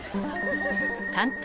［探偵。